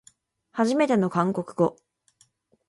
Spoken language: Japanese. はじめての韓国語